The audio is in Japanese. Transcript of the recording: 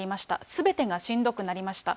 すべてがしんどくなりました。